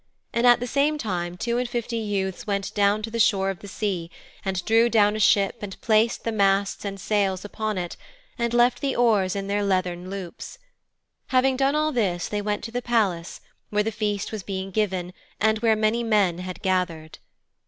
And at the same time two and fifty youths went down to the shore of the sea, and drew down a ship and placed the masts and sails upon it, and left the oars in their leathern loops. Having done all this they went to the palace where the feast was being given and where many men had gathered.